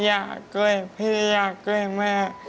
อยากเกลยพี่อยากเกลยแม่